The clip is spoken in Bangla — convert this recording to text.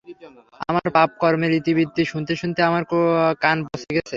আমার পাপকর্মের ইতিবৃত্ত শুনতে শুনতে আমার কান পচে গেছে।